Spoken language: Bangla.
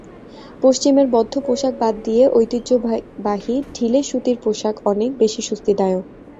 পশ্চিমের বদ্ধ পোশাক বাদ দিয়ে ঐতিহ্যবাহী ঢিলে সুতির পোশাক অনেক বেশি স্বস্তিদায়ক।